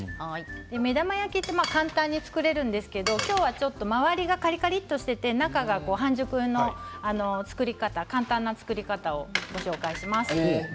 目玉焼きは簡単に作れるんですけれども周りがカリカリっとしていて中が半熟の簡単な作り方をご紹介しますね。